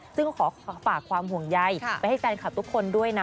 ซึ่งขอฝากความห่วงใยไปให้แฟนคลับทุกคนด้วยนะ